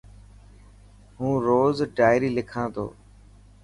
هون روز ڊائري لکا تو.